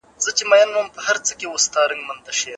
د باران اورېدل د ارباب قهر و.